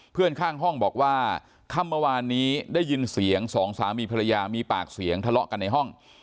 เพื่อนข้างห้องบอกว่าค่ำเมื่อวานนี้ได้ยินเสียงสองสามีภรรยามีปากเสียงทะเลาะกันในห้อง